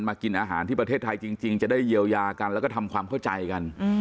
กินอาหารที่ประเทศไทยจริงจะได้เยียวยากันแล้วก็ทำความเข้าใจกัน